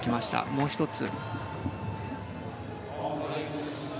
もう１つ。